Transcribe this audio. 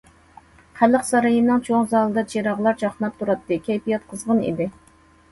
خەلق سارىيىنىڭ چوڭ زالىدا چىراغلار چاقناپ تۇراتتى، كەيپىيات قىزغىن ئىدى.